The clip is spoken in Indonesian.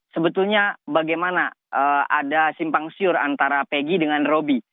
sebetulnya bagaimana ada simpang siur antara peggy